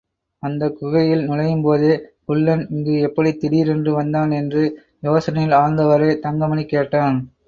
அந்தக் குகையில் நுழையும்போதே குள்ளன் இங்கு எப்படித் திடீரென்று வந்தான்? என்று யோசனையில் ஆழ்ந்தவாறே தங்கமணி கேட்டான்.